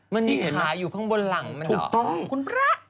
มันมีขาอยู่ข้างบนหลังมันเหรอถูกต้อง